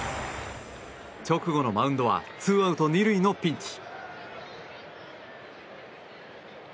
直後のマウンドはツーアウト２塁のピンチ。